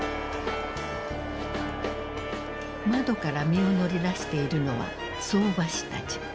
窓から身を乗り出しているのは相場師たち。